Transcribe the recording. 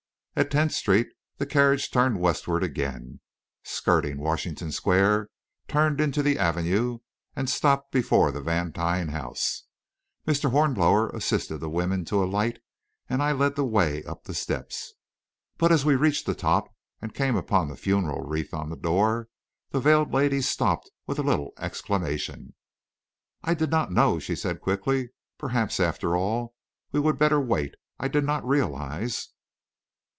At Tenth Street, the carriage turned westward again, skirted Washington Square, turned into the Avenue, and stopped before the Vantine house. Mr. Hornblower assisted the women to alight, and I led the way up the steps. But as we reached the top and came upon the funeral wreath on the door, the veiled lady stopped with a little exclamation. "I did not know," she said, quickly. "Perhaps, after all, we would better wait. I did not realise...."